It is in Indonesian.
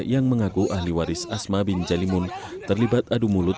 yang mengaku ahli waris asma bin jalimun terlibat adu mulut